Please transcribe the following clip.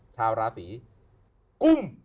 ชาวราศีกุ้ง